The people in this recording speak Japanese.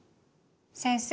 先生